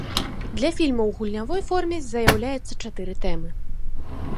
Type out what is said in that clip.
Для фільмаў у гульнявой форме заяўляецца чатыры тэмы.